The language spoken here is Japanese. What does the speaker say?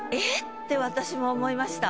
って私も思いました。